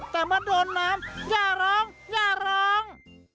แต่มาโดนน้ำอย่าร้องอย่าร้อง